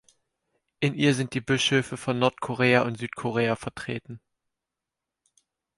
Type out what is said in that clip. In ihr sind die Bischöfe von Nordkorea und Südkorea vertreten.